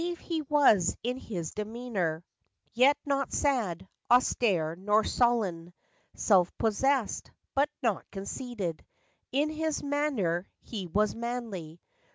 Grave he was in his demeanor, Yet not sad, austere, nor sullen; Self possessed, but not conceited; In his manner he was manly.